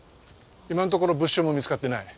今のところ物証も見つかってない。